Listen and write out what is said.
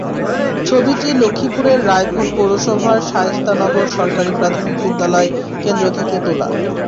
ছবিটি লক্ষ্মীপুরের রায়পুর পৌরসভার শায়েস্তানগর সরকারি প্রাথমিক বিদ্যালয় কেন্দ্র থেকে তোলা।